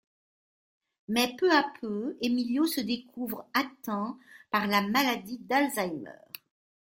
Mais peu à peu, Emilio se découvre atteint par la maladie d'Alzheimer.